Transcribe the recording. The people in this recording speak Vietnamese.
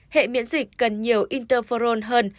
hệ miễn dịch cần nhiều interferon hơn